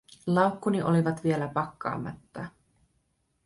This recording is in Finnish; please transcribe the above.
Laukkuni olivat vielä pakkaamatta.